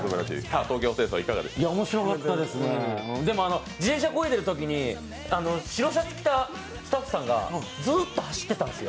面白かったですね、自転車こいでるときに白シャツ着たスタッフさんがずっと走ってたんですよ。